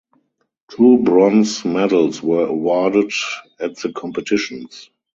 Two bronze medals were awarded at the competitions.